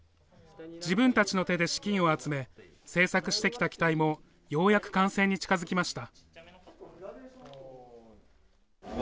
自分たちの手で資金を集め制作してきた機体もようやく完成に近づきました。